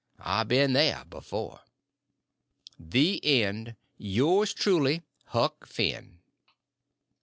I been there before. THE END. YOURS TRULY, HUCK FINN.